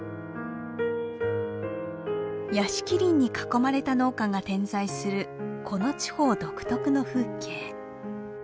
屋敷林に囲まれた農家が点在するこの地方独特の風景。